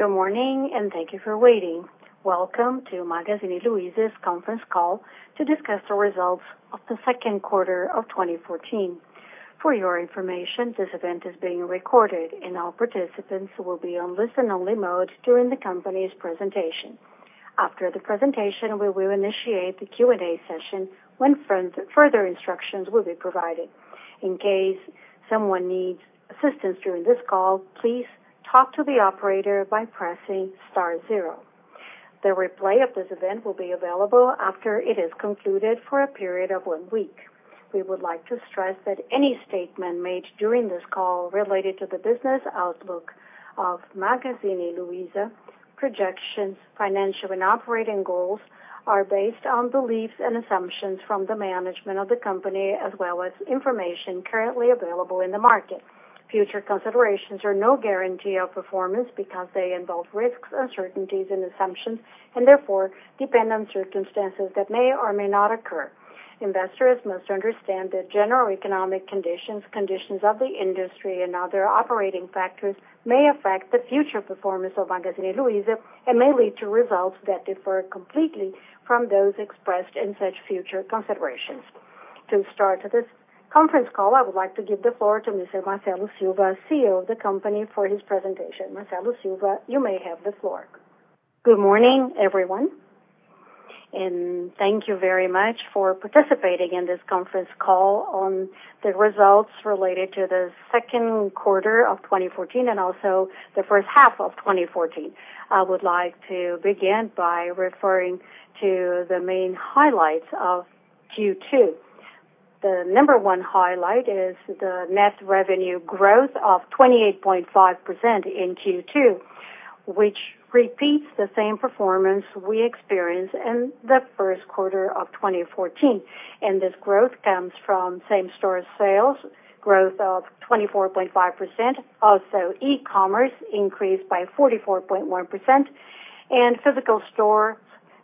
Good morning, and thank you for waiting. Welcome to Magazine Luiza's conference call to discuss the results of the second quarter of 2014. For your information, this event is being recorded, and all participants will be on listen-only mode during the company's presentation. After the presentation, we will initiate the Q&A session when further instructions will be provided. In case someone needs assistance during this call, please talk to the operator by pressing star zero. The replay of this event will be available after it is concluded for a period of one week. We would like to stress that any statement made during this call related to the business outlook of Magazine Luiza, projections, financial and operating goals, are based on beliefs and assumptions from the management of the company, as well as information currently available in the market. Future considerations are no guarantee of performance because they involve risks, uncertainties, and assumptions, and therefore depend on circumstances that may or may not occur. Investors must understand that general economic conditions of the industry, and other operating factors may affect the future performance of Magazine Luiza and may lead to results that differ completely from those expressed in such future considerations. To start this conference call, I would like to give the floor to Mr. Marcelo Silva, CEO of the company, for his presentation. Marcelo Silva, you may have the floor. Good morning, everyone, and thank you very much for participating in this conference call on the results related to the second quarter of 2014 and also the first half of 2014. I would like to begin by referring to the main highlights of Q2. The number one highlight is the net revenue growth of 28.5% in Q2, which repeats the same performance we experienced in the first quarter of 2014. This growth comes from same-store sales growth of 24.5%. Also, e-commerce increased by 44.1%, and physical stores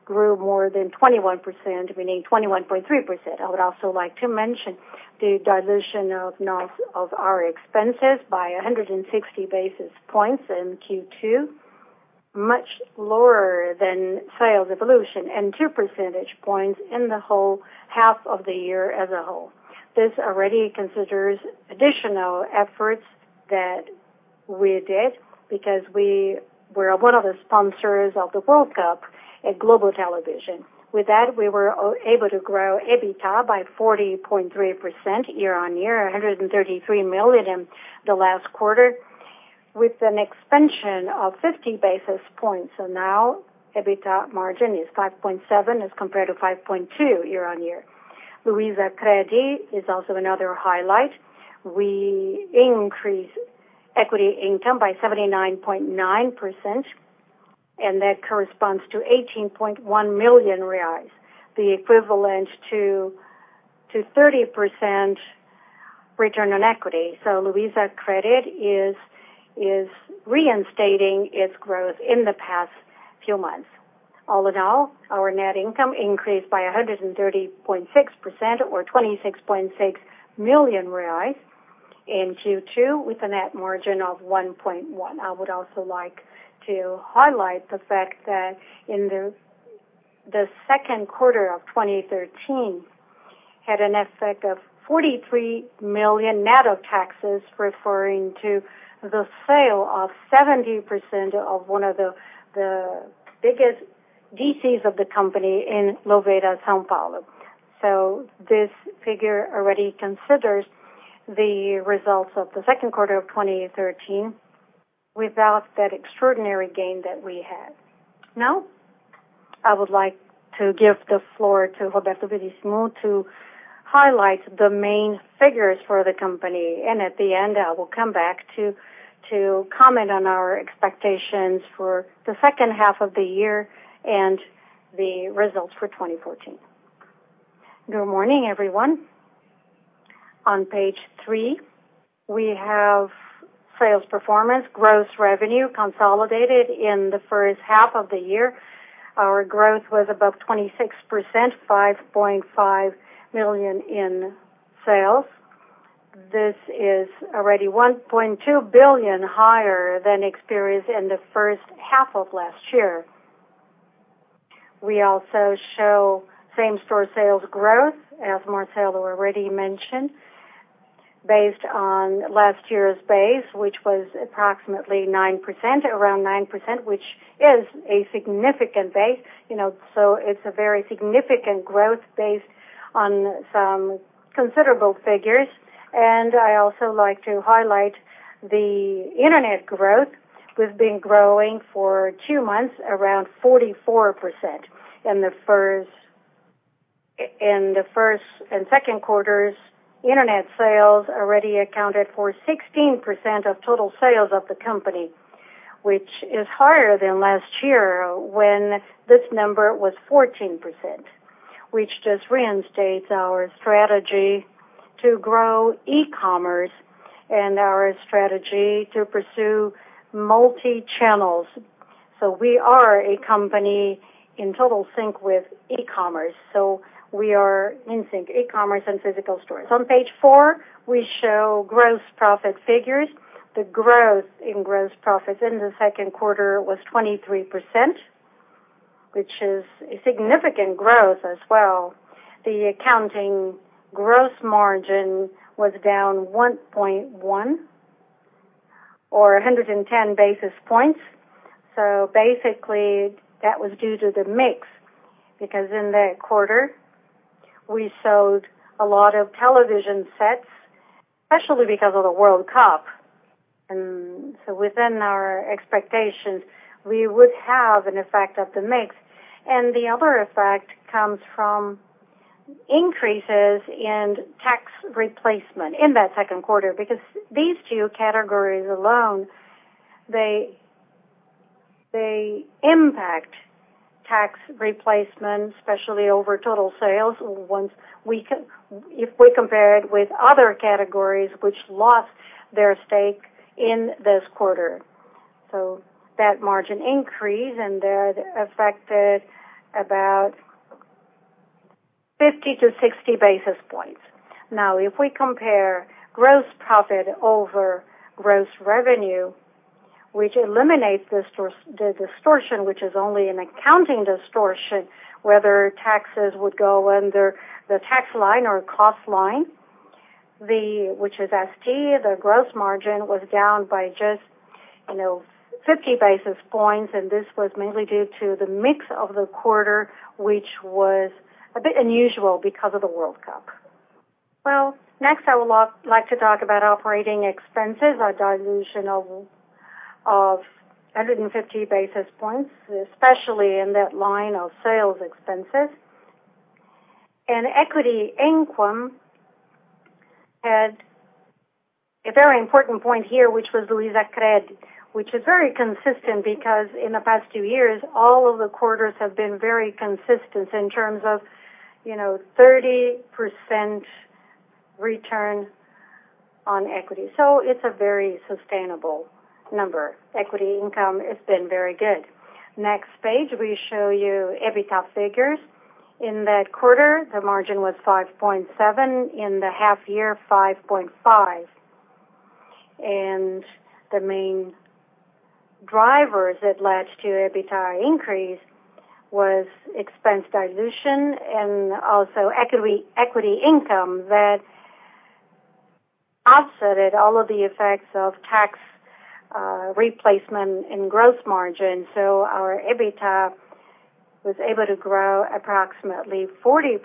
grew more than 21%, namely 21.3%. I would also like to mention the dilution of our expenses by 160 basis points in Q2, much lower than sales evolution, and two percentage points in the whole half of the year as a whole. This already considers additional efforts that we did because we were one of the sponsors of the World Cup at TV Globo. With that, we were able to grow EBITDA by 40.3% year-on-year, 133 million in the last quarter, with an expansion of 50 basis points. EBITDA margin is now 5.7% as compared to 5.2% year-on-year. Luizacred is also another highlight. We increased equity income by 79.9%, and that corresponds to 18.1 million reais, the equivalent to 30% return on equity. Luizacred is reinstating its growth in the past few months. All in all, our net income increased by 130.6%, or 26.6 million reais in Q2, with a net margin of 1.1%. I would also like to highlight the fact that in the second quarter of 2013, had an effect of 43 million net of taxes, referring to the sale of 70% of one of the biggest DCs of the company in Lapa, São Paulo. This figure already considers the results of the second quarter of 2013 without that extraordinary gain that we had. Now, I would like to give the floor to Roberto Bellissimo to highlight the main figures for the company. At the end, I will come back to comment on our expectations for the second half of the year and the results for 2014. Good morning, everyone. On page three, we have sales performance, gross revenue consolidated in the first half of the year. Our growth was above 26%, 5.5 million in sales. This is already 1.2 billion higher than experienced in the first half of last year. We also show same-store sales growth, as Marcelo already mentioned, based on last year's base, which was approximately 9%, around 9%, which is a significant base. It is a very significant growth based on some considerable figures. I also like to highlight the internet growth. We have been growing for two months, around 44%. In the first and second quarters, internet sales already accounted for 16% of total sales of the company, which is higher than last year when this number was 14%, which just reinstates our strategy to grow e-commerce and our strategy to pursue multi-channels. We are a company in total sync with e-commerce. We are in sync, e-commerce and physical stores. On page four, we show gross profit figures. The growth in gross profits in the second quarter was 23%, which is a significant growth as well. The accounting gross margin was down 1.1 or 110 basis points. Basically, that was due to the mix, because in that quarter, we sold a lot of television sets, especially because of the World Cup. Within our expectations, we would have an effect of the mix. The other effect comes from increases in tax replacement in that second quarter, because these two categories alone, they impact tax replacement, especially over total sales, if we compare it with other categories which lost their stake in this quarter. That margin increase, and that affected about 50 to 60 basis points. Now, if we compare gross profit over gross revenue, which eliminates the distortion, which is only an accounting distortion, whether taxes would go under the tax line or cost line, which is SG&A, the gross margin was down by just 50 basis points, and this was mainly due to the mix of the quarter, which was a bit unusual because of the World Cup. Next, I would like to talk about operating expenses. Our dilution of 150 basis points, especially in that line of sales expenses. Equity income had a very important point here, which was Luizacred, which is very consistent because in the past two years, all of the quarters have been very consistent in terms of 30% return on equity. It is a very sustainable number. Equity income has been very good. Next page, we show you EBITDA figures. In that quarter, the margin was 5.7%. In the half year, 5.5%. The main drivers that led to EBITDA increase was expense dilution and also equity income that offsetted all of the effects of tax replacement and gross margin. Our EBITDA was able to grow approximately 40%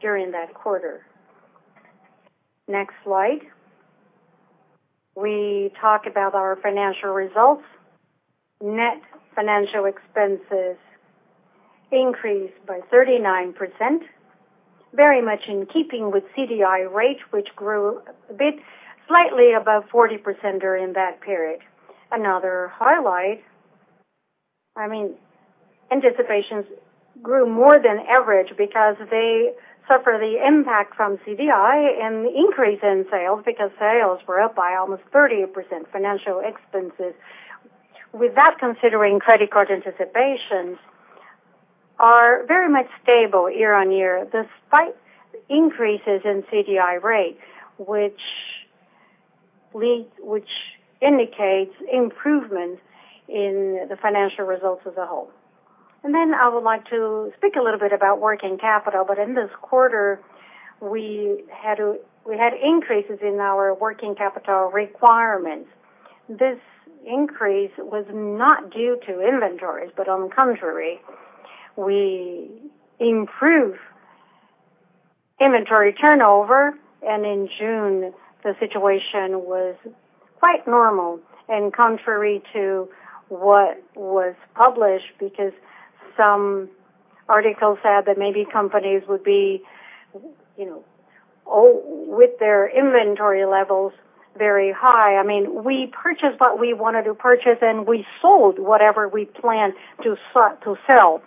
during that quarter. Next slide. We talk about our financial results. Net financial expenses increased by 39%, very much in keeping with CDI rate, which grew a bit slightly above 40% during that period. Another highlight, I mean, anticipations grew more than average because they suffer the impact from CDI and the increase in sales, because sales were up by almost 30%. Financial expenses, without considering credit card anticipations, are very much stable year-on-year, despite increases in CDI rate, which indicates improvement in the financial results as a whole. I would like to speak a little bit about working capital. In this quarter, we had increases in our working capital requirements. This increase was not due to inventories, but on contrary, we improved inventory turnover, and in June, the situation was quite normal and contrary to what was published, because some articles said that maybe companies would be with their inventory levels very high. We purchased what we wanted to purchase, and we sold whatever we planned to sell.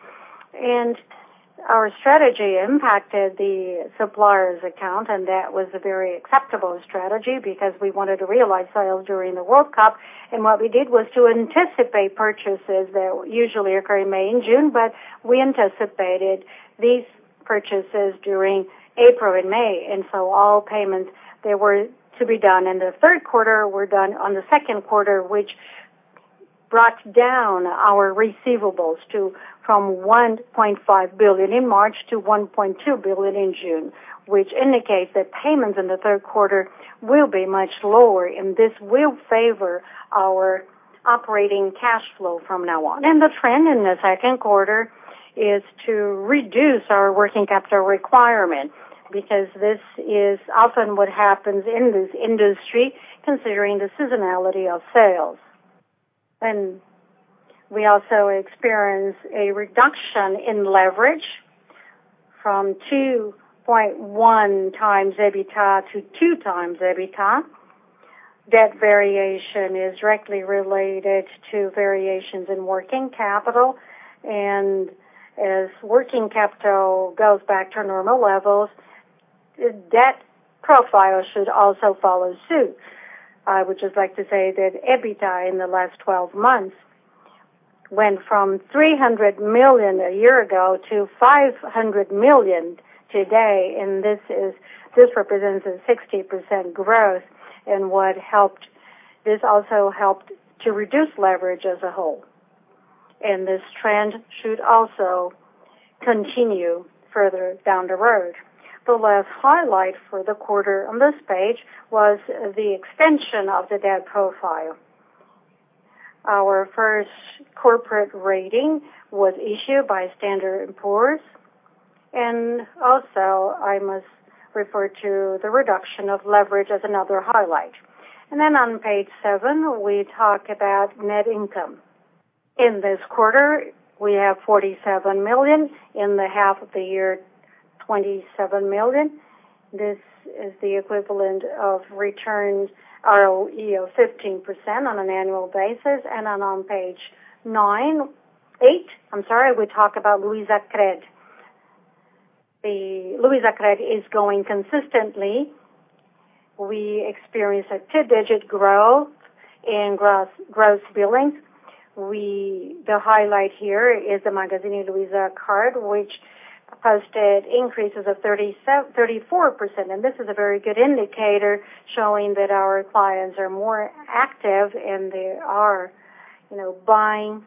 Our strategy impacted the suppliers account, that was a very acceptable strategy because we wanted to realize sales during the World Cup. What we did was to anticipate purchases that usually occur in May and June, but we anticipated these purchases during April and May. All payments that were to be done in the third quarter were done on the second quarter, which brought down our receivables from 1.5 billion in March to 1.2 billion in June, which indicates that payments in the third quarter will be much lower, and this will favor our operating cash flow from now on. The trend in the second quarter is to reduce our working capital requirement, because this is often what happens in this industry, considering the seasonality of sales. We also experienced a reduction in leverage from 2.1x EBITDA to 2x EBITDA. That variation is directly related to variations in working capital. As working capital goes back to normal levels, the debt profile should also follow suit. I would just like to say that EBITDA in the last 12 months went from 300 million a year ago to 500 million today, this represents a 60% growth. This also helped to reduce leverage as a whole, this trend should also continue further down the road. The last highlight for the quarter on this page was the extension of the debt profile. Our first corporate rating was issued by Standard & Poor's, also I must refer to the reduction of leverage as another highlight. On page seven, we talk about net income. In this quarter, we have 47 million. In the half of the year, 27 million. This is the equivalent of returns ROE of 15% on an annual basis. On page eight, I'm sorry, we talk about LuizaCred. The LuizaCred is going consistently. We experienced a 2-digit growth in gross billings. The highlight here is the Magazine Luiza card, which posted increases of 34%. This is a very good indicator showing that our clients are more active, and they are buying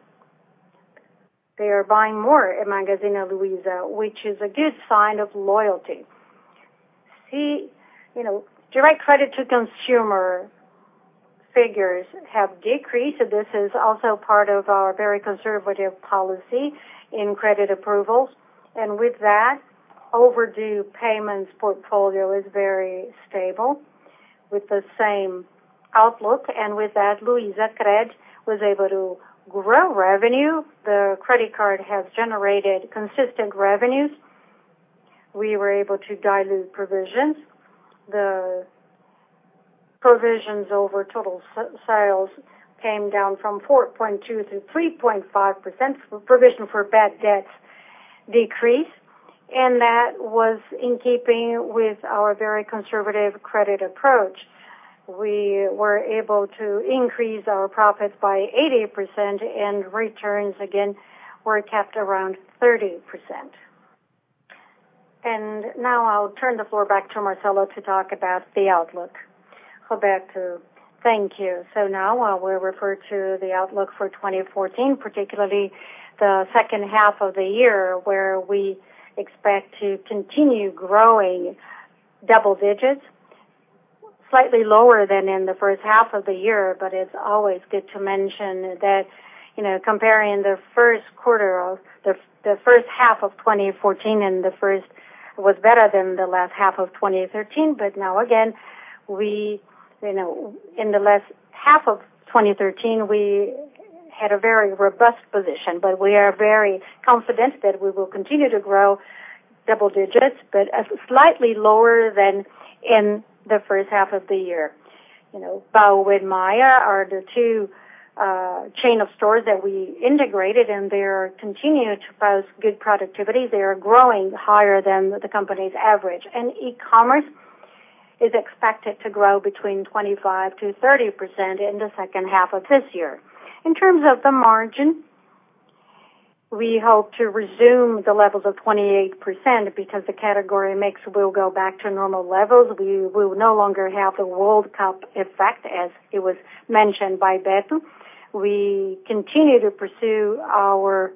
more at Magazine Luiza, which is a good sign of loyalty. Direct Credit to Consumer figures have decreased, this is also part of our very conservative policy in credit approvals. With that, overdue payments portfolio is very stable with the same outlook. With that, LuizaCred was able to grow revenue. The credit card has generated consistent revenues. We were able to dilute provisions. The provisions over total sales came down from 4.2%-3.5%. Provision for bad debts decreased, that was in keeping with our very conservative credit approach. We were able to increase our profits by 80%, and returns again were kept around 30%. Now I'll turn the floor back to Marcelo to talk about the outlook. Roberto, thank you. Now, we'll refer to the outlook for 2014, particularly the second half of the year, where we expect to continue growing double digits, slightly lower than in the first half of the year, it's always good to mention that comparing the first half of 2014 and the first was better than the last half of 2013. Now, again, in the last half of 2013, we had a very robust position, but we are very confident that we will continue to grow double digits, but slightly lower than in the first half of the year. Baú and Maia are the two chain of stores that we integrated, they're continuing to post good productivity. They are growing higher than the company's average. E-commerce is expected to grow between 25%-30% in the second half of this year. In terms of the margin, we hope to resume the levels of 28% because the category mix will go back to normal levels. We will no longer have the World Cup effect, as it was mentioned by Beto. We continue to pursue our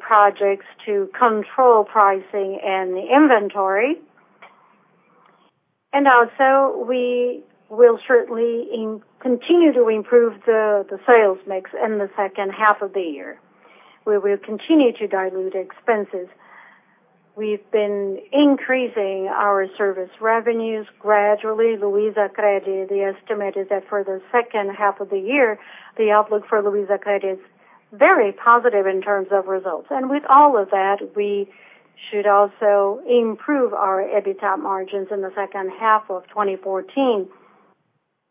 projects to control pricing and the inventory. Also, we will certainly continue to improve the sales mix in the second half of the year. We will continue to dilute expenses. We've been increasing our service revenues gradually. Luizacred, the estimate is that for the second half of the year, the outlook for Luizacred is very positive in terms of results. With all of that, we should also improve our EBITDA margins in the second half of 2014,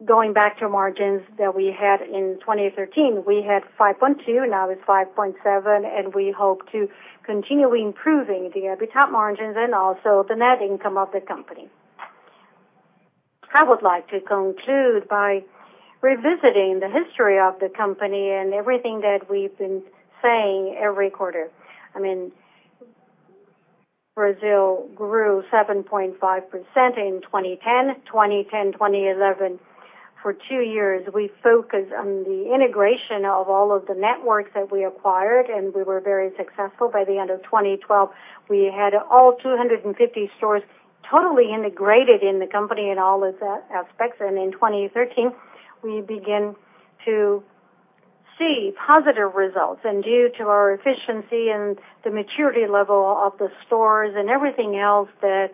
going back to margins that we had in 2013. We had 5.2, now it's 5.7, we hope to continue improving the EBITDA margins and also the net income of the company. I would like to conclude by revisiting the history of the company and everything that we've been saying every quarter. Brazil grew 7.5% in 2010. 2010, 2011, for two years, we focused on the integration of all of the networks that we acquired, we were very successful. By the end of 2012, we had all 250 stores totally integrated in the company in all of the aspects. In 2013, we began to see positive results. Due to our efficiency and the maturity level of the stores and everything else that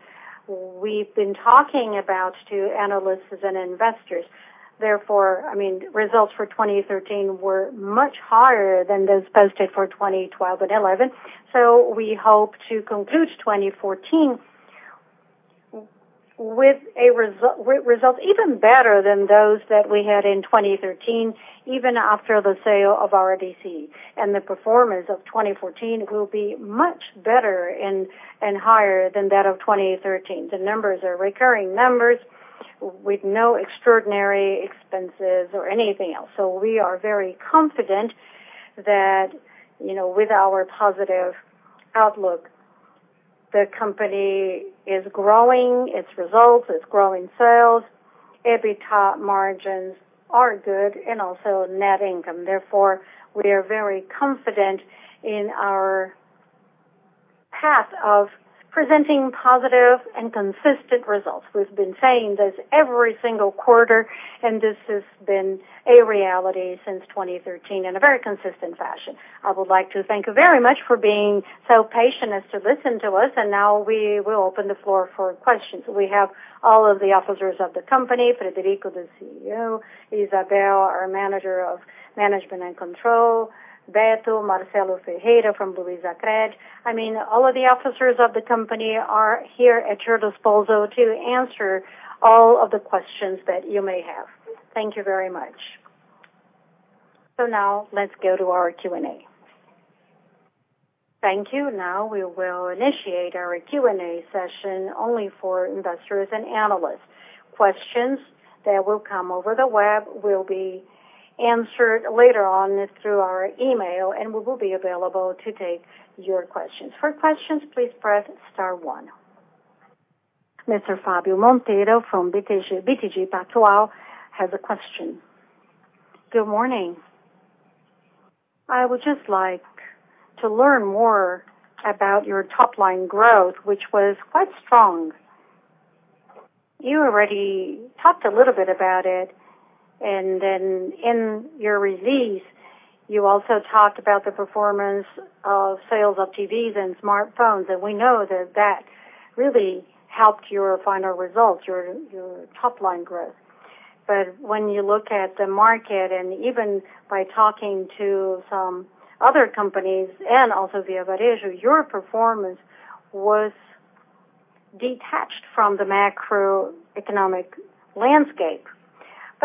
we've been talking about to analysts and investors. Therefore, results for 2013 were much higher than those posted for 2012 and 2011. We hope to conclude 2014 with results even better than those that we had in 2013, even after the sale of RDC. The performance of 2014 will be much better and higher than that of 2013. The numbers are recurring numbers with no extraordinary expenses or anything else. We are very confident that with our positive outlook, the company is growing its results, it's growing sales, EBITDA margins are good and also net income. Therefore, we are very confident in our path of presenting positive and consistent results. We've been saying this every single quarter, this has been a reality since 2013 in a very consistent fashion. I would like to thank you very much for being so patient as to listen to us. Now we will open the floor for questions. We have all of the officers of the company, Frederico, the CEO, Isabel, our manager of management and control, Beto, Marcelo Ferreira from Luizacred. All of the officers of the company are here at your disposal to answer all of the questions that you may have. Thank you very much. Now let's go to our Q&A. Thank you. Now we will initiate our Q&A session only for investors and analysts. Questions that will come over the web will be answered later on through our email, and we will be available to take your questions. For questions, please press star one. Mr. Fabio Monteiro from BTG Pactual has a question. Good morning. I would just like to learn more about your top-line growth, which was quite strong. Then in your release, you also talked about the performance of sales of TVs and smartphones, and we know that that really helped your final results, your top-line growth. When you look at the market and even by talking to some other companies and also Via Varejo, your performance was detached from the macroeconomic landscape.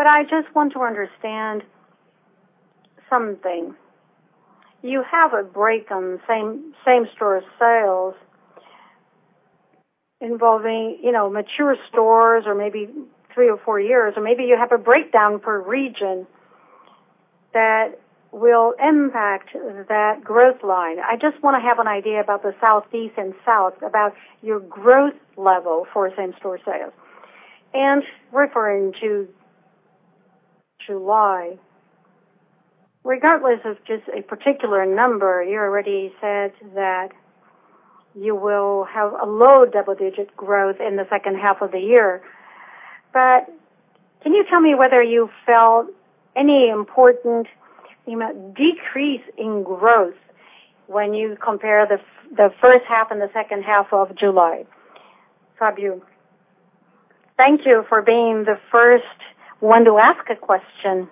I just want to understand something. You have a break on same-store sales involving mature stores or maybe three or four years, or maybe you have a breakdown per region that will impact that growth line. I just want to have an idea about the Southeast and South, about your growth level for same-store sales. Referring to July, regardless of just a particular number, you already said that you will have a low double-digit growth in the second half of the year. Can you tell me whether you felt any important decrease in growth when you compare the first half and the second half of July? Fabio, thank you for being the first one to ask a question,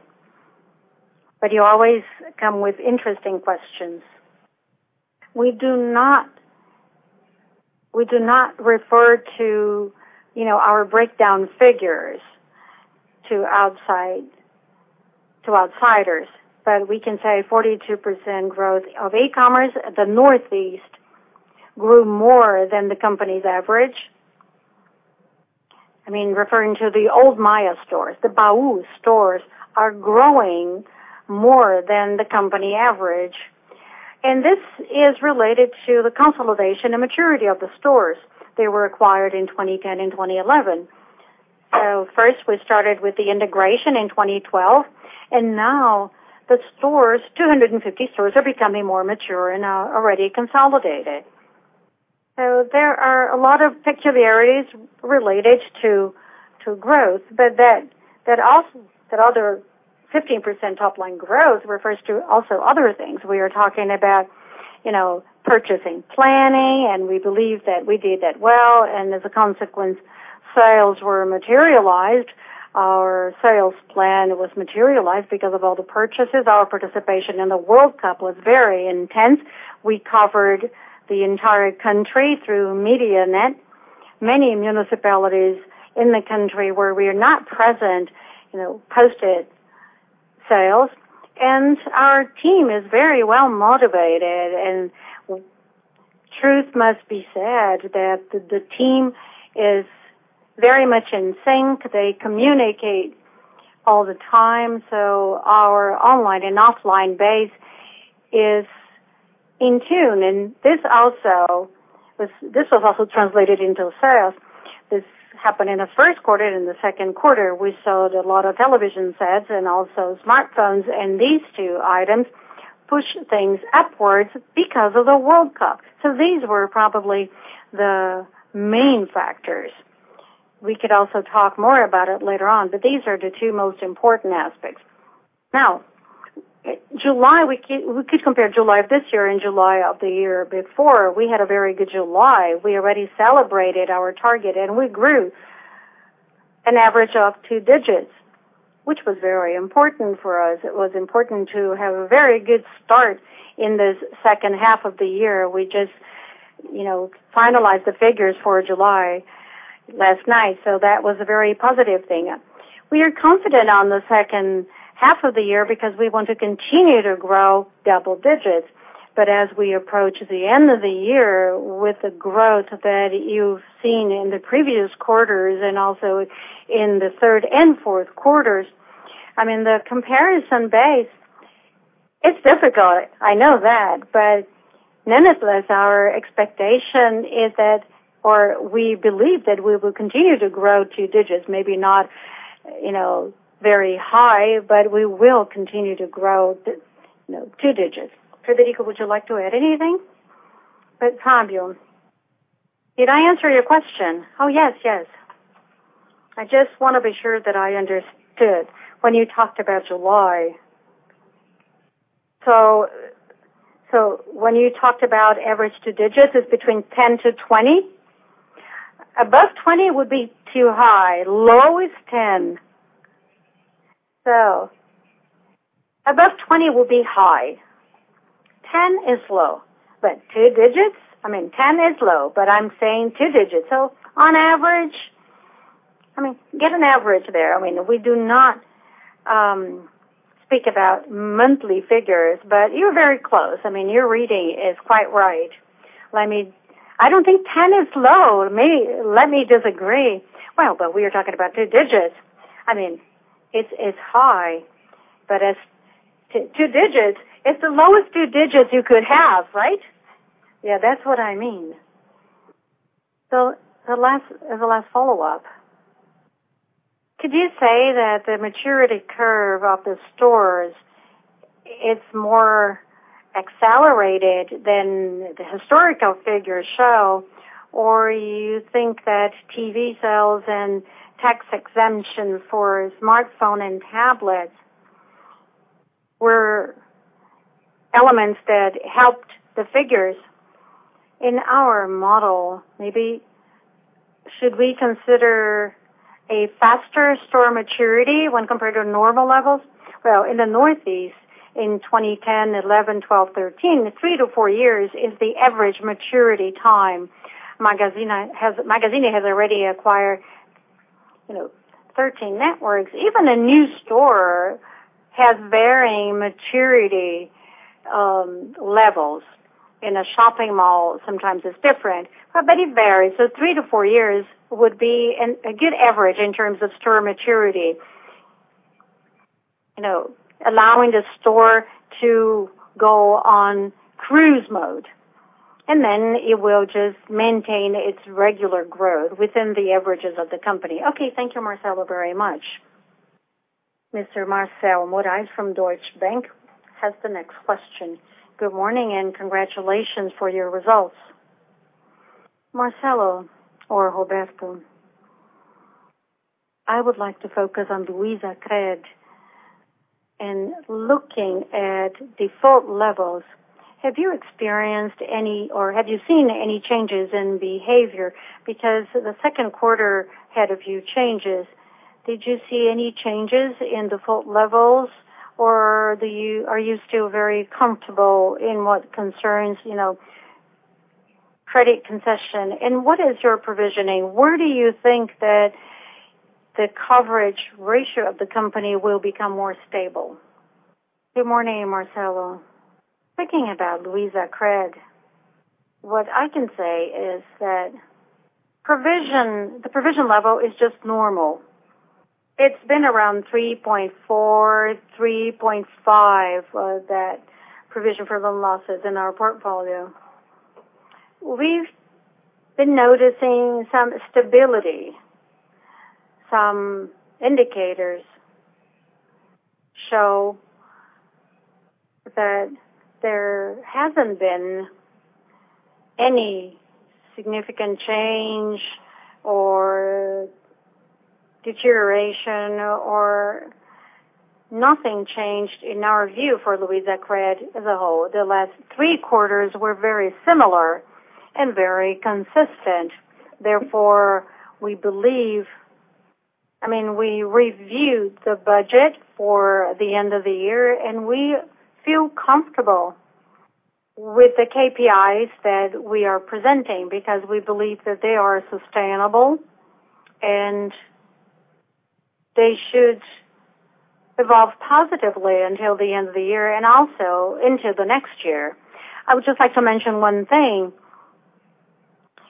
you always come with interesting questions. We do not refer to our breakdown figures to outsiders. We can say 42% growth of e-commerce. The Northeast grew more than the company's average. Referring to the old Lojas Maia stores, the Lojas do Baú stores are growing more than the company average. This is related to the consolidation and maturity of the stores. They were acquired in 2010 and 2011. First we started with the integration in 2012. Now the stores, 250 stores, are becoming more mature and are already consolidated. There are a lot of peculiarities related to growth, that other 15% top-line growth refers to also other things. We are talking about purchasing planning, we believe that we did that well, as a consequence, sales were materialized. Our sales plan was materialized because of all the purchases. Our participation in the World Cup was very intense. We covered the entire country through MediaNet. Many municipalities in the country where we are not present posted sales. Our team is very well motivated, truth must be said that the team is very much in sync. They communicate all the time. Our online and offline base is in tune. This was also translated into sales. This happened in the first quarter. In the second quarter, we sold a lot of television sets and also smartphones. These two items pushed things upwards because of the World Cup. These were probably the main factors. We could also talk more about it later on, but these are the two most important aspects. July, we could compare July of this year and July of the year before. We had a very good July. We already celebrated our target, and we grew an average of two digits, which was very important for us. It was important to have a very good start in this second half of the year. We just finalized the figures for July last night, that was a very positive thing. We are confident on the second half of the year because we want to continue to grow double digits. As we approach the end of the year with the growth that you've seen in the previous quarters and also in the third and fourth quarters, the comparison base, it's difficult, I know that. Nonetheless, our expectation is that we believe that we will continue to grow two digits, maybe not very high, but we will continue to grow two digits. Frederico, would you like to add anything? Fabio, did I answer your question? Yes. I just want to be sure that I understood when you talked about July. When you talked about average two digits, it's between 10-20? Above 20 would be too high. Low is 10. Above 20 will be high. 10 is low. But two digits? 10 is low, but I'm saying two digits. On average, get an average there. We do not speak about monthly figures, but you're very close. Your reading is quite right. I don't think 10 is low. Let me disagree. We are talking about two digits. It's high, but two digits. It's the lowest two digits you could have, right? Yeah, that's what I mean. The last follow-up. Could you say that the maturity curve of the stores is more accelerated than the historical figures show? Or you think that TV sales and tax exemption for smartphone and tablets were elements that helped the figures? In our model, maybe should we consider a faster store maturity when compared to normal levels? In the Northeast, in 2010, 2011, 2012, 2013, three to four years is the average maturity time. Magazine Luiza has already acquired 13 networks. Even a new store has varying maturity levels. In a shopping mall, sometimes it's different. It varies. Three to four years would be a good average in terms of store maturity. Allowing the store to go on cruise mode, it will just maintain its regular growth within the averages of the company. Thank you, Marcelo, very much. Mr. Marcelo Moraes from Deutsche Bank has the next question. Good morning. Congratulations for your results. Marcelo or Roberto, I would like to focus on Luizacred and looking at default levels. Have you experienced any, or have you seen any changes in behavior? Because the second quarter had a few changes. Did you see any changes in default levels, or are you still very comfortable in what concerns credit concession? What is your provisioning? Where do you think that the coverage ratio of the company will become more stable? Good morning, Marcelo. Thinking about Luizacred, what I can say is that the provision level is just normal. It's been around 3.4, 3.5, that provision for loan losses in our portfolio. We've been noticing some stability. Some indicators show that there hasn't been any significant change or deterioration or nothing changed in our view for Luizacred as a whole. The last three quarters were very similar and very consistent. Therefore, we reviewed the budget for the end of the year, and we feel comfortable with the KPIs that we are presenting because we believe that they are sustainable, and they should evolve positively until the end of the year and also into the next year. I would just like to mention one thing.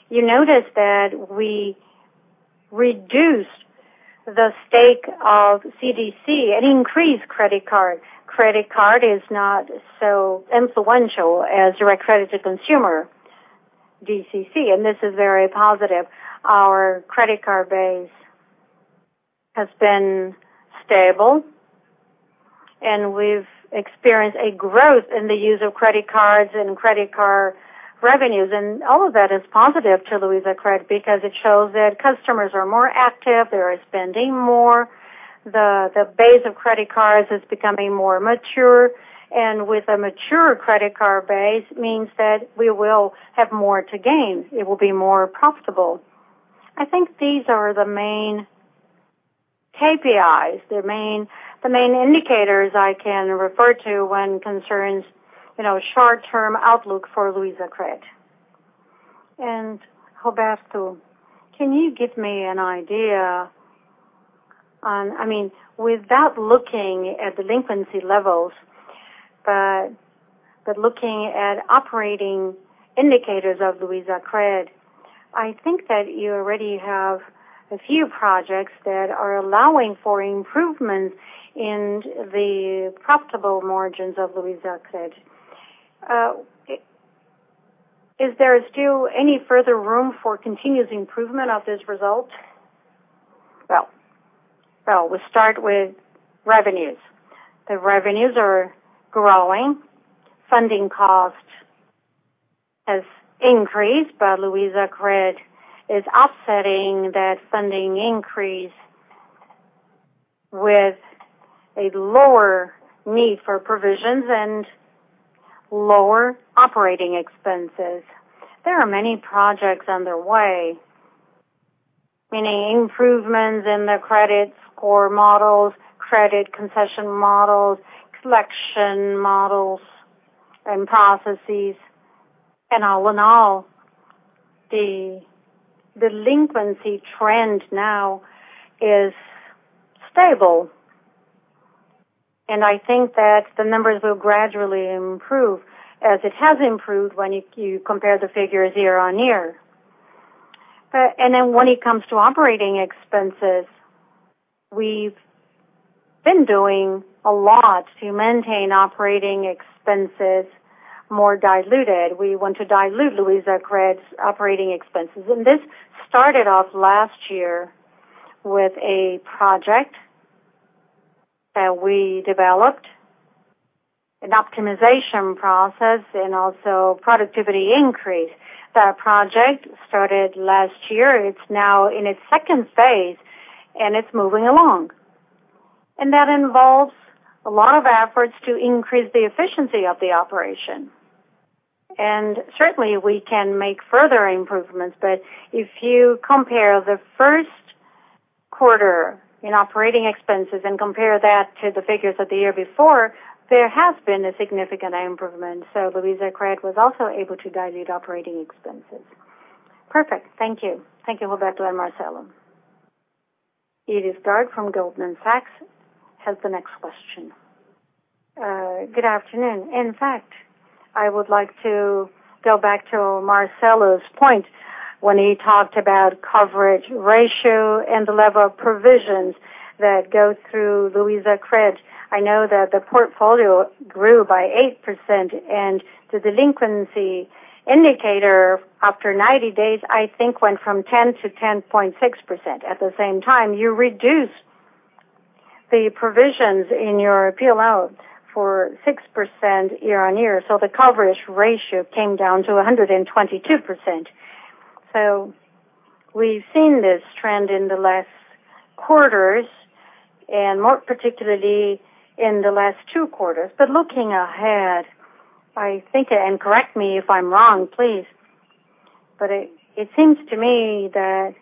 You noticed that we reduced the stake of CDC and increased credit card. Credit card is not so influential as direct credit to consumer, DCC, this is very positive. Our credit card base has been stable, we've experienced a growth in the use of credit cards and credit card revenues, and all of that is positive to Luizacred because it shows that customers are more active. They are spending more. The base of credit cards is becoming more mature, and with a mature credit card base means that we will have more to gain. It will be more profitable. I think these are the main KPIs, the main indicators I can refer to when concerns short-term outlook for Luizacred. Roberto, can you give me an idea on Without looking at delinquency levels, but looking at operating indicators of Luizacred, I think that you already have a few projects that are allowing for improvements in the profitable margins of Luizacred. Is there still any further room for continuous improvement of this result? We start with revenues. The revenues are growing. Funding cost has increased, but Luizacred is offsetting that funding increase with a lower need for provisions and lower operating expenses. There are many projects underway, meaning improvements in the credit score models, credit concession models, collection models and processes. All in all, the delinquency trend now is stable. I think that the numbers will gradually improve as it has improved when you compare the figures year-on-year. When it comes to operating expenses, we've been doing a lot to maintain operating expenses more diluted. We want to dilute Luizacred's operating expenses. This started off last year with a project that we developed, an optimization process and also productivity increase. That project started last year. It's now in its phase 2 and it's moving along. That involves a lot of efforts to increase the efficiency of the operation. Certainly, we can make further improvements, but if you compare the first quarter in operating expenses and compare that to the figures of the year before, there has been a significant improvement. Luizacred was also able to dilute operating expenses. Perfect. Thank you. Thank you, Roberto and Marcelo. Irma Sgarz from Goldman Sachs has the next question. Good afternoon. In fact, I would like to go back to Marcelo's point when he talked about coverage ratio and the level of provisions that go through Luizacred. I know that the portfolio grew by 8% and the delinquency indicator after 90 days, I think went from 10%-10.6%. At the same time, you reduced the provisions in your PLL for 6% year-on-year. The coverage ratio came down to 122%. We've seen this trend in the last quarters and more particularly in the last two quarters. Looking ahead, I think, correct me if I'm wrong, please, it seems to me that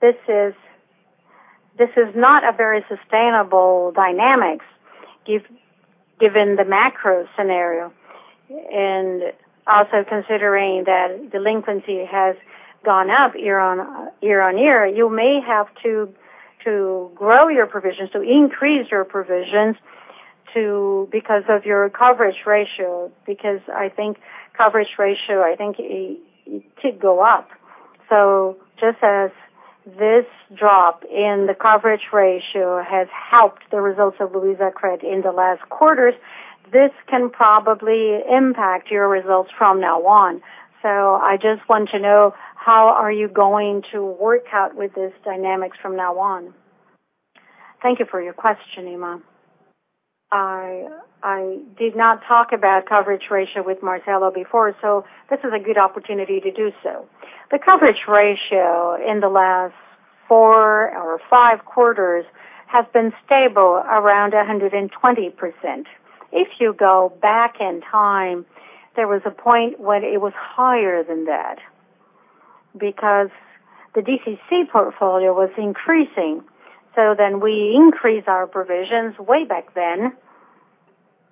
this is not a very sustainable dynamics given the macro scenario. Also considering that delinquency has gone up year-on-year, you may have to grow your provisions, to increase your provisions because of your coverage ratio, because coverage ratio, it could go up. Just as this drop in the coverage ratio has helped the results of Luizacred in the last quarters, this can probably impact your results from now on. I just want to know how are you going to work out with this dynamics from now on? Thank you for your question, Irma. I did not talk about coverage ratio with Marcelo before, this is a good opportunity to do so. The coverage ratio in the last four or five quarters has been stable around 120%. If you go back in time, there was a point when it was higher than that because the CDC portfolio was increasing. We increased our provisions way back then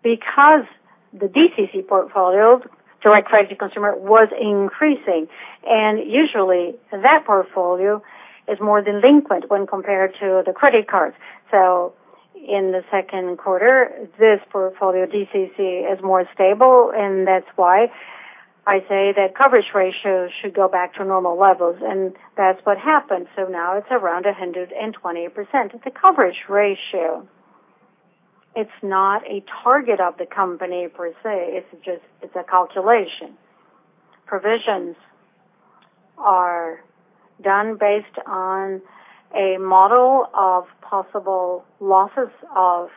because the CDC portfolio, Direct Credit to Consumer, was increasing. Usually that portfolio is more delinquent when compared to the credit cards. In the second quarter, this portfolio, CDC, is more stable, that's why I say that coverage ratio should go back to normal levels, that's what happened. Now it's around 120%. It's a coverage ratio. It's not a target of the company per se, it's a calculation. Provisions are done based on a model of possible losses of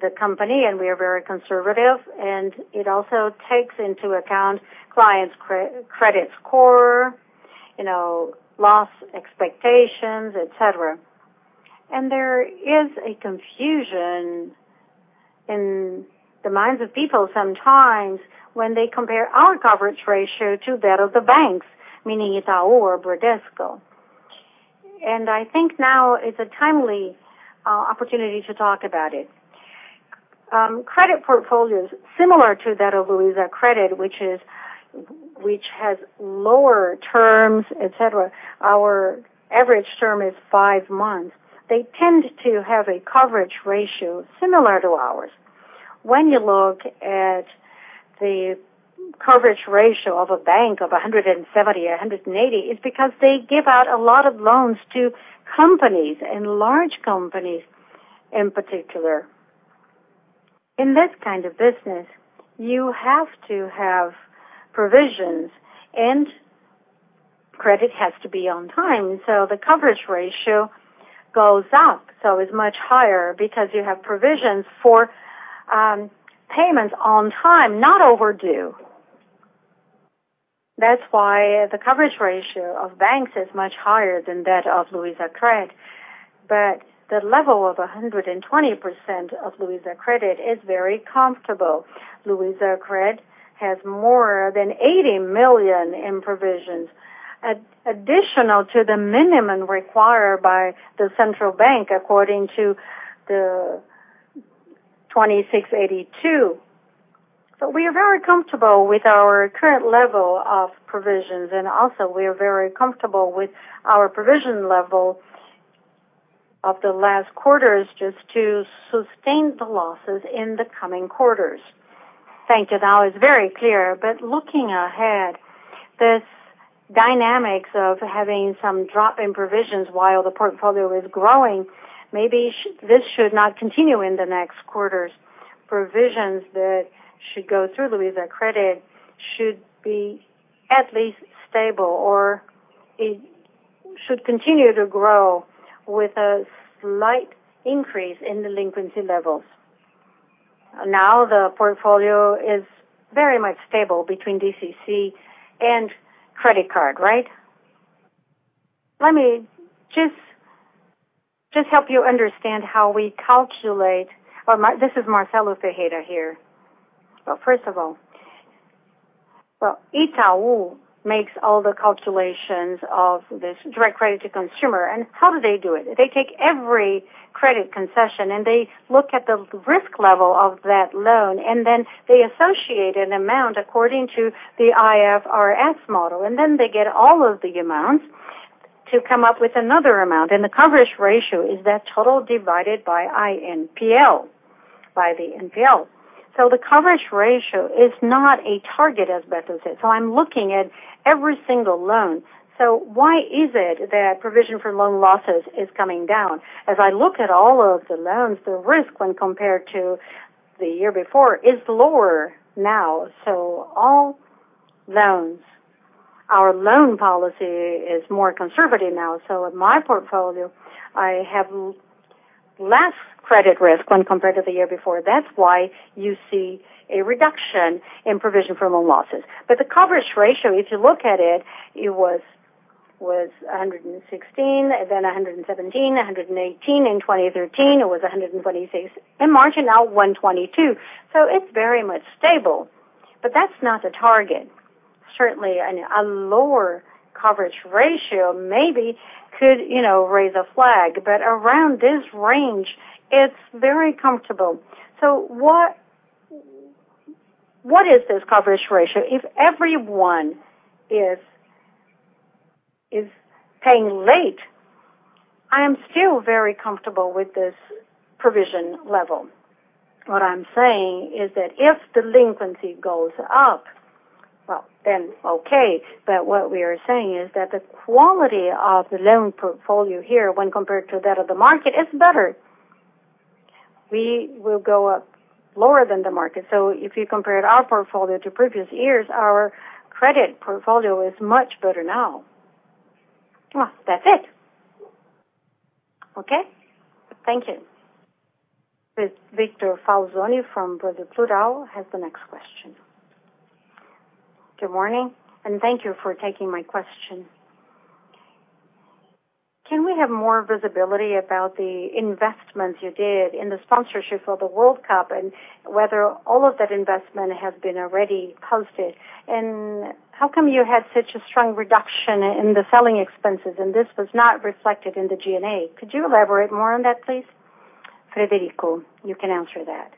the company and we are very conservative, it also takes into account clients' credit score, loss expectations, et cetera. There is a confusion in the minds of people sometimes when they compare our coverage ratio to that of the banks, meaning Itaú or Bradesco. I think now is a timely opportunity to talk about it. Credit portfolios similar to that of Luizacred, which has lower terms, et cetera. Our average term is five months. They tend to have a coverage ratio similar to ours. When you look at the coverage ratio of a bank of 170 or 180, it's because they give out a lot of loans to companies and large companies in particular. In this kind of business, you have to have provisions and credit has to be on time, the coverage ratio goes up. It's much higher because you have provisions for payments on time, not overdue. That's why the coverage ratio of banks is much higher than that of Luizacred, but the level of 120% of Luizacred is very comfortable. Luizacred has more than 80 million in provisions, additional to the minimum required by the Central Bank according to the Resolution 2682. We are very comfortable with our current level of provisions and also we are very comfortable with our provision level of the last quarters just to sustain the losses in the coming quarters. Thank you. Now it's very clear, looking ahead, this dynamics of having some drop in provisions while the portfolio is growing, maybe this should not continue in the next quarters. Provisions that should go through Luizacred should be at least stable, or it should continue to grow with a slight increase in delinquency levels. Now the portfolio is very much stable between CDC and credit card, right? Let me just help you understand how we calculate. This is Marcelo Ferreira here. First of all, Itaú makes all the calculations of this Direct Credit to Consumer and how do they do it? They take every credit concession and they look at the risk level of that loan and then they associate an amount according to the IFRS model and then they get all of the amounts to come up with another amount and the coverage ratio is that total divided by the NPL. The coverage ratio is not a target as Beto said. I'm looking at every single loan. Why is it that Provision for Loan Losses is coming down? As I look at all of the loans, the risk when compared to the year before is lower now. All loans, our loan policy is more conservative now. In my portfolio I have less credit risk when compared to the year before. That's why you see a reduction in Provision for Loan Losses. The coverage ratio, if you look at it was 116, then 117, 118. In 2013 it was 126 in margin, now 122. It's very much stable. That's not the target. Certainly a lower coverage ratio maybe could raise a flag, but around this range it's very comfortable. What is this coverage ratio? If everyone is paying late, I am still very comfortable with this provision level. What I'm saying is that if delinquency goes up, well then, okay. What we are saying is that the quality of the loan portfolio here when compared to that of the market, is better. We will go up lower than the market. If you compared our portfolio to previous years, our credit portfolio is much better now. Well, that's it. Okay. Thank you. Victor Falzoni from Brasil Plural has the next question. Good morning and thank you for taking my question. Can we have more visibility about the investments you did in the sponsorship for the World Cup and whether all of that investment has been already posted? How come you had such a strong reduction in the selling expenses and this was not reflected in the G&A? Could you elaborate more on that please? Frederico, you can answer that.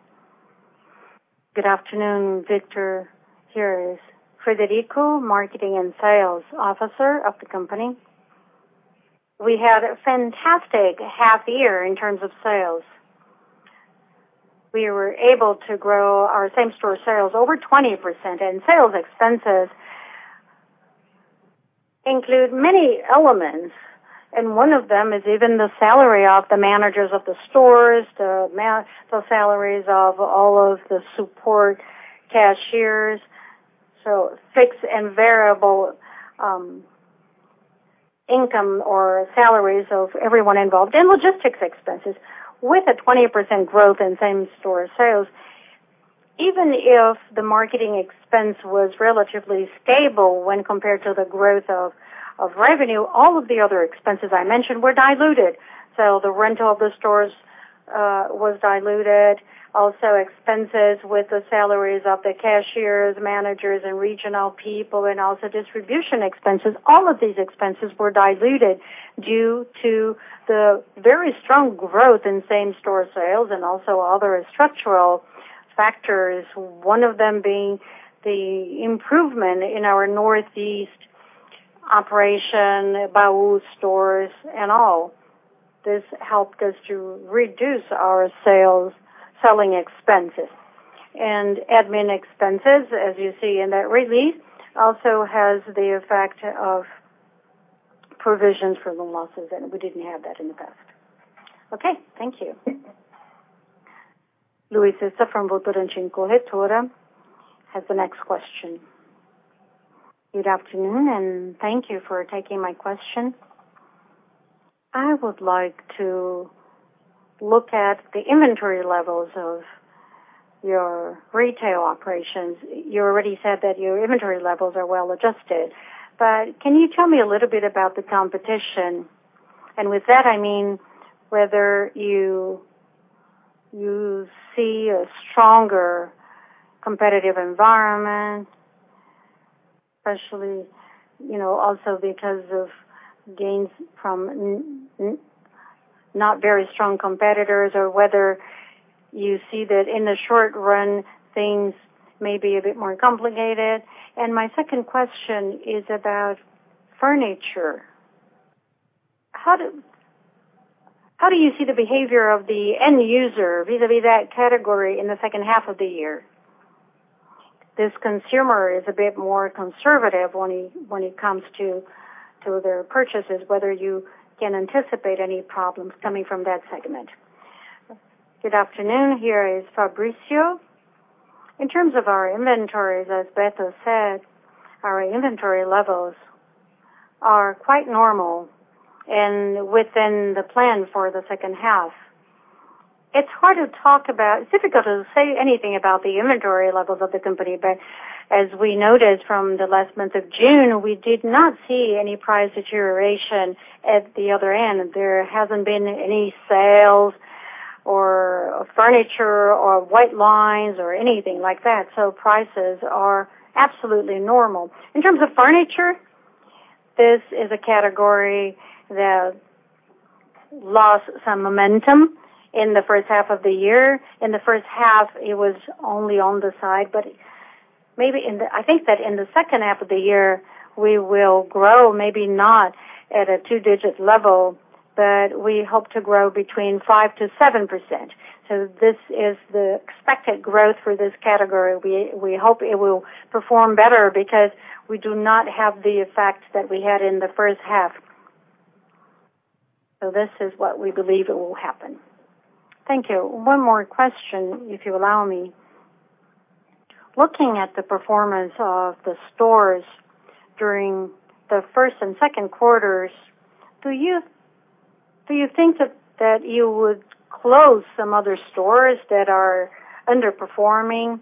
Good afternoon, Victor. Here is Frederico, marketing and sales officer of the company. We had a fantastic half year in terms of sales. We were able to grow our same store sales over 20%. Sales expenses include many elements and one of them is even the salary of the managers of the stores, the salaries of all of the support cashiers. Fixed and variable income or salaries of everyone involved and logistics expenses. With a 20% growth in same-store sales, even if the marketing expense was relatively stable when compared to the growth of revenue, all of the other expenses I mentioned were diluted. The rental of the stores was diluted. Also, expenses with the salaries of the cashiers, managers, and regional people, and also distribution expenses. All of these expenses were diluted due to the very strong growth in same-store sales and also other structural factors. One of them being the improvement in our Northeast operation, Baú stores and all. This helped us to reduce our selling expenses. Admin expenses, as you see in that release, also has the effect of provisions for loan losses, and we didn't have that in the past. Okay. Thank you. Luiza from Votorantim Corretora has the next question. Good afternoon, and thank you for taking my question. I would like to look at the inventory levels of your retail operations. You already said that your inventory levels are well-adjusted, but can you tell me a little bit about the competition? With that, I mean whether you see a stronger competitive environment, especially also because of gains from not very strong competitors, or whether you see that in the short run, things may be a bit more complicated. My second question is about furniture. How do you see the behavior of the end user vis-a-vis that category in the second half of the year? This consumer is a bit more conservative when it comes to their purchases, whether you can anticipate any problems coming from that segment. Good afternoon. Here is Fabrício. In terms of our inventories, as Beto said, our inventory levels are quite normal and within the plan for the second half. It's difficult to say anything about the inventory levels of the company. As we noticed from the last month of June, we did not see any price deterioration at the other end. There hasn't been any sales or furniture or white lines or anything like that. Prices are absolutely normal. In terms of furniture, this is a category that lost some momentum in the first half of the year. In the first half, it was only on the side. I think that in the second half of the year, we will grow, maybe not at a two-digit level, but we hope to grow between 5%-7%. This is the expected growth for this category. We hope it will perform better because we do not have the effect that we had in the first half. This is what we believe it will happen. Thank you. One more question, if you allow me. Looking at the performance of the stores during the first and second quarters, do you think that you would close some other stores that are underperforming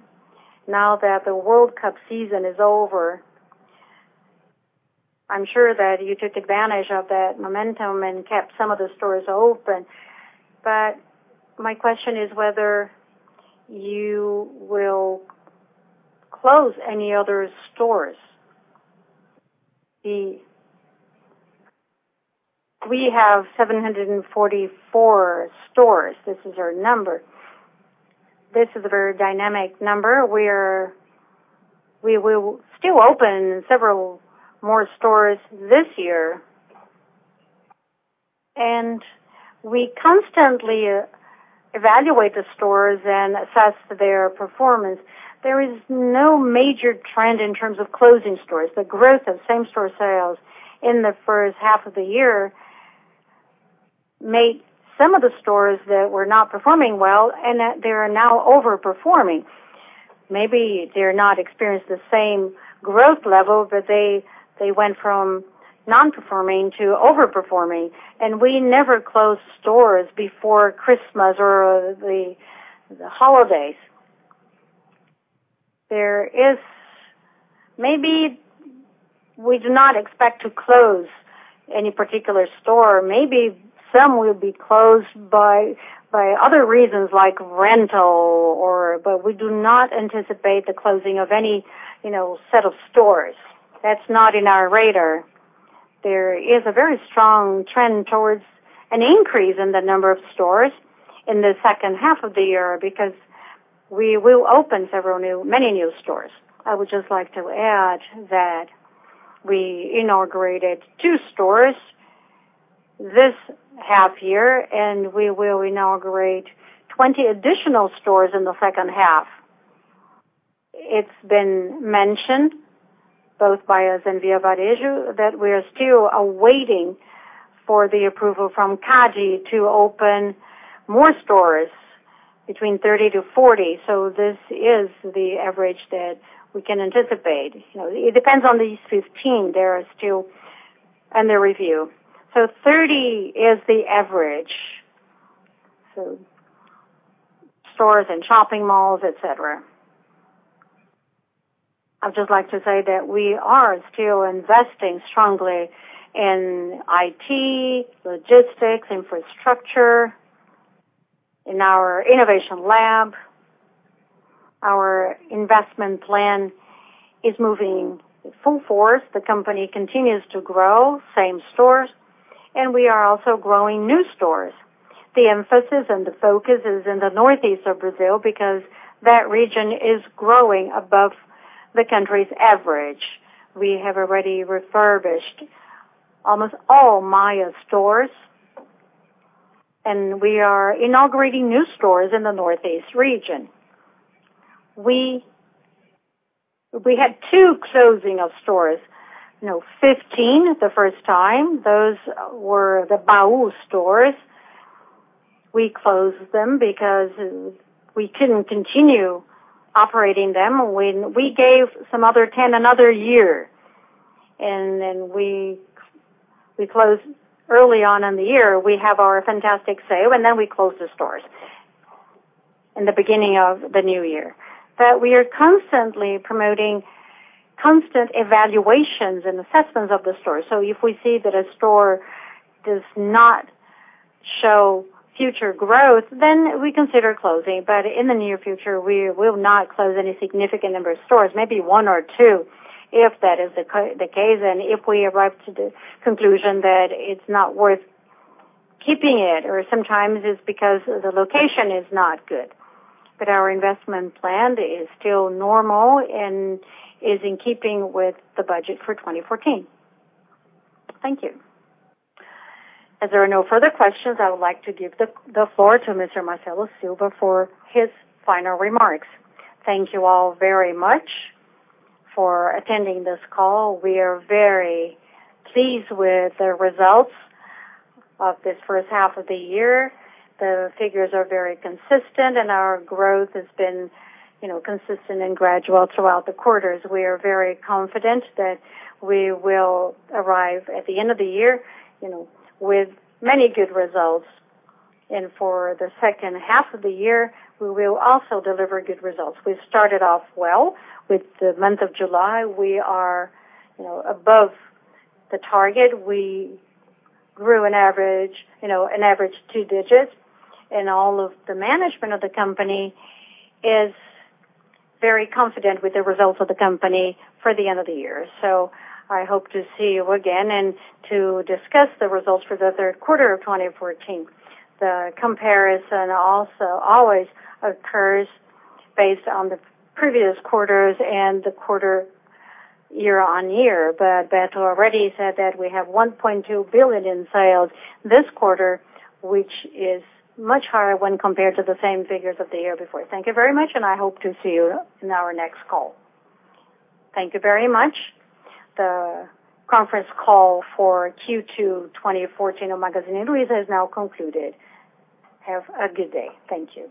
now that the World Cup season is over? I'm sure that you took advantage of that momentum and kept some of the stores open. My question is whether you will close any other stores. We have 744 stores. This is our number. This is a very dynamic number. We will still open several more stores this year. We constantly evaluate the stores and assess their performance. There is no major trend in terms of closing stores. The growth of same-store sales in the first half of the year made some of the stores that were not performing well, and that they are now over-performing. Maybe they're not experiencing the same growth level, but they went from non-performing to over-performing. We never close stores before Christmas or the holidays. Maybe we do not expect to close any particular store. Maybe some will be closed by other reasons like rental, but we do not anticipate the closing of any set of stores. That's not in our radar. There is a very strong trend towards an increase in the number of stores in the second half of the year because we will open many new stores. I would just like to add that we inaugurated two stores this half-year, and we will inaugurate 20 additional stores in the second half. It's been mentioned both by us and Via Varejo, that we are still awaiting for the approval from CADE to open more stores between 30 to 40. This is the average that we can anticipate. It depends on these 15. They are still under review. 30 is the average. Stores and shopping malls, et cetera. I'd just like to say that we are still investing strongly in IT, logistics, infrastructure, in our innovation lab. Our investment plan is moving full force. The company continues to grow same stores, and we are also growing new stores. The emphasis and the focus is in the Northeast of Brazil because that region is growing above the country's average. We have already refurbished almost all Maia stores, and we are inaugurating new stores in the Northeast region. We had two closing of stores. 15 the first time. Those were the Baú stores. We closed them because we couldn't continue operating them. We gave some other 10 another year. We closed early on in the year. We have our fantastic sale. We closed the stores in the beginning of the new year. We are constantly promoting constant evaluations and assessments of the stores. If we see that a store does not show future growth, then we consider closing. In the near future, we will not close any significant number of stores, maybe one or two, if that is the case, and if we arrive to the conclusion that it's not worth keeping it, or sometimes it's because the location is not good. Our investment plan is still normal and is in keeping with the budget for 2014. Thank you. As there are no further questions, I would like to give the floor to Mr. Marcelo Silva for his final remarks. Thank you all very much for attending this call. We are very pleased with the results of this first half of the year. The figures are very consistent, and our growth has been consistent and gradual throughout the quarters. We are very confident that we will arrive at the end of the year with many good results. For the second half of the year, we will also deliver good results. We started off well with the month of July. We are above the target. We grew an average two digits, and all of the management of the company is very confident with the results of the company for the end of the year. I hope to see you again and to discuss the results for the third quarter of 2014. The comparison also always occurs based on the previous quarters and the quarter year-on-year. Beto already said that we have 1.2 billion in sales this quarter, which is much higher when compared to the same figures of the year before. Thank you very much. I hope to see you in our next call. Thank you very much. The conference call for Q2 2014 of Magazine Luiza is now concluded. Have a good day. Thank you.